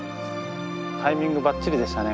タイミングばっちりでしたね